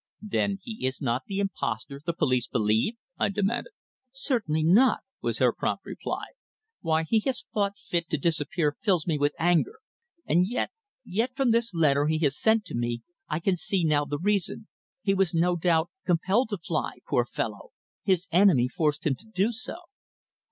"Then he is not the impostor the police believe?" I demanded. "Certainly not," was her prompt reply. "Why he has thought fit to disappear fills me with anger. And yet yet from this letter he has sent to me I can now see the reason. He was, no doubt, compelled to fly, poor fellow. His enemy forced him to do so."